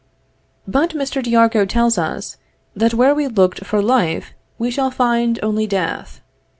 But Mr. d'Argout tells us, that where we looked for life, we shall find only death.